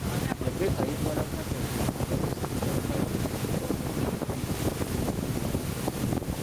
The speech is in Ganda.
Rebecca Alitwala Kadaga abadde Sipiika wa Paalamenti okuva mu nkumi bbiri kkumi na gumu.